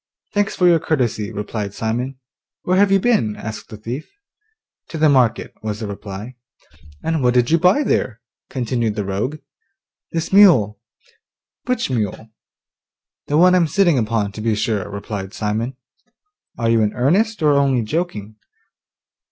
'Thanks for your courtesy,' replied Simon. 'Where have you been?' asked the thief. 'To the market,' was the reply. 'And what did you buy there?' continued the rogue. 'This mule.' 'Which mule?' 'The one I'm sitting upon, to be sure,' replied Simon. 'Are you in earnest, or only joking?